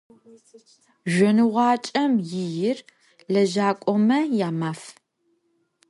Zjonığuaç'em yi yir – lejak'ome ya Maf.